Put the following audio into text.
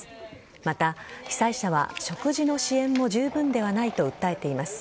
また、被災者は食事の支援も十分ではないと訴えています。